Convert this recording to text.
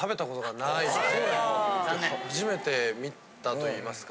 初めて見たと言いますか。